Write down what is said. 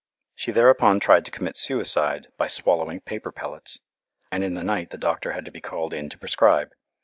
She thereupon tried to commit suicide by swallowing paper pellets, and in the night the doctor had to be called in to prescribe.